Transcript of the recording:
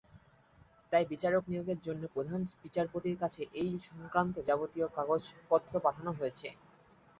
তাই বিচারক নিয়োগের জন্য প্রধান বিচারপতির কাছে এ-সংক্রান্ত যাবতীয় কাগজপত্র পাঠানো হয়েছে।